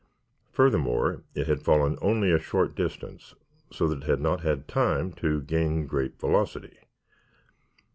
Furthermore, it had fallen only a short distance, so that it had not had time to gain great velocity.